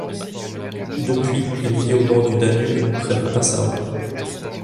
Depuis, il vit au bord du Danube, près de Passau.